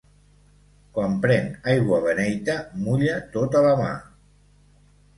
Quan pren aigua beneita, mulla tota la mà.